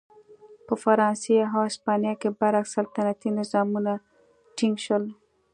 په فرانسې او هسپانیې کې برعکس سلطنتي نظامونه ټینګ شول.